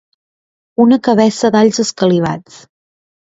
Una cabeça d’alls escalivats.